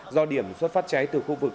do điểm xuất phát cháy từ khu vực